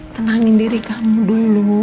tenangin diri kamu dulu